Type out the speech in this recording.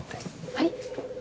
はい？